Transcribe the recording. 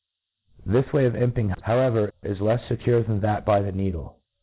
This way of imping, however, is lefs fecure than th^t by the needle.